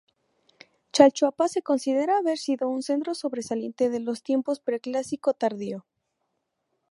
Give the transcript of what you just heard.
Chalchuapa se considera haber sido un centro sobresaliente de los tiempos Preclásico Tardío.